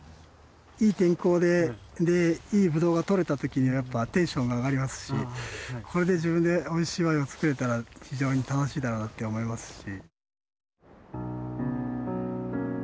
いい天候でいいぶどうがとれた時にはやっぱテンションが上がりますしこれで自分でおいしいワインを造れたら非常に楽しいだろうなって思いますし。